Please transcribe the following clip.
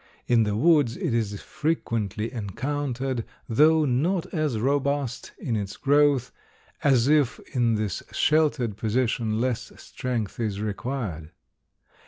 In the woods it is frequently encountered, though not as robust in its growth, as if in this sheltered position less strength is required.